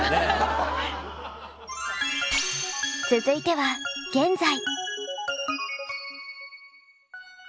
続いては現在。